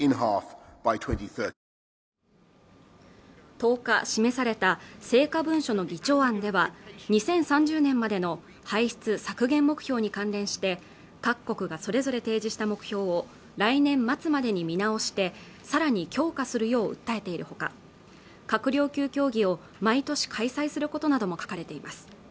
１０日示された成果文書の議長案では２０３０年までの排出削減目標に関連して各国がそれぞれ提示した目標を来年末までに見直してさらに強化するよう訴えているほか閣僚級協議を毎年開催することなども書かれています